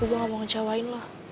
gue gak mau ngecewain lah